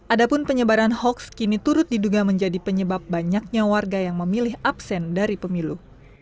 adapun penyebaran hoax kini turut diduga menjadi penyebab banyaknya warga yang memilih absen dari pemilu